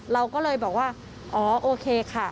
เราก็เลยบอกว่าอ๋อโอเคค่ะ